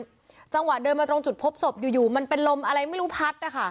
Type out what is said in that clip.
จังหวะเดินมาตรงจุดพบศพอยู่อยู่มันเป็นลมอะไรไม่รู้พัดนะคะ